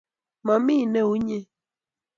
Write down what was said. Mamii neu inyee